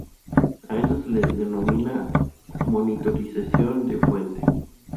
A esto se le denomina monitorización de fuente.